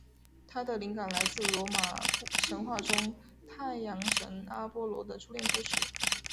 它的灵感来自罗马神话中太阳神阿波罗的初恋故事。